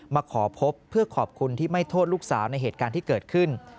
มาขอพบเพื่อขอบคุณที่ไม่โทษลูกสาวในเหตุการณ์ที่เกิดขึ้น